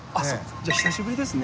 じゃ久しぶりですね。